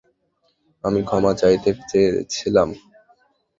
আমি ক্ষমা চাইতে চেয়েছিলাম।